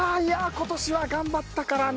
今年は頑張ったからな。